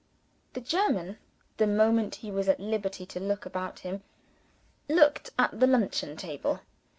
The German, the moment he was at liberty to look about him, looked at the luncheon table.